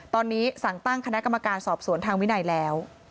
ตอนนี้สั่งตั้งคณะกรรมการสอบสวนทางวินัยแล้ว